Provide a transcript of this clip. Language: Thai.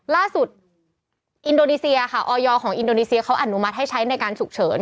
ล่าสุดออยอลของอินโดนีเซียเขาอนุมัติให้ใช้ในการศุกร์เฉิน